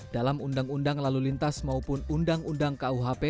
dalam undang undang lalu lintas maupun undang undang kuhp